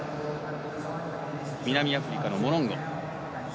南アフリカのモロンゴ。